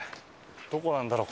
どこなんだろう？